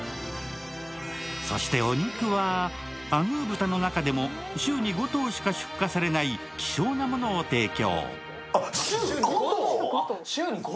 そしてお肉は、アグー豚の中でも週に５頭しか出荷されない希少なものを提供。